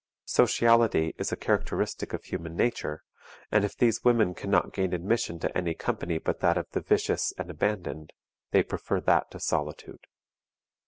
Sociality is a characteristic of human nature, and if these women can not gain admission to any company but that of the vicious and abandoned, they prefer that to solitude.